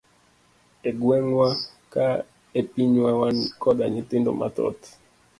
E gwengwa ka e pinywa wan koda nyithindo mathoth.